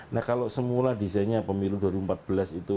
nah kalau semula desainnya pemilu dua ribu empat belas itu